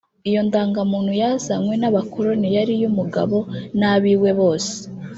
Iyo ndangamuntu yazanywe n’abakoroni yari iy’umugabo n’ab’iwe bose